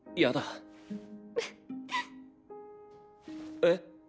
えっ？